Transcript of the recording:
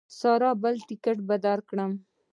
ساري بل ټکټ به درکړم.